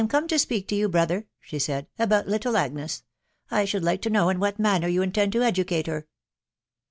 come to speak to yoiv brother*!* she said, "atasfc: little Agnes, L should like, to know in ;whalr. manner yoniin»». tend to educate her